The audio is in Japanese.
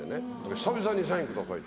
久々に「サインください」って。